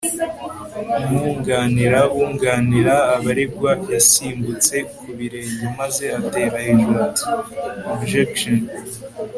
umwunganira wunganira abaregwa yasimbutse ku birenge maze atera hejuru ati objection